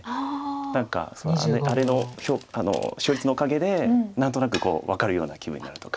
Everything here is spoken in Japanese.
何かあれの勝率のおかげで何となく分かるような気分になるとか。